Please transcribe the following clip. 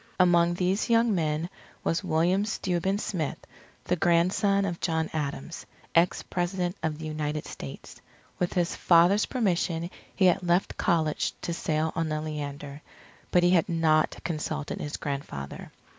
Among these young men was William Steuben Smith, the grandson of John Adams, ex President of the United States. With his father's permission he had left college to sail on the Leander; but he had not consulted his grandfather.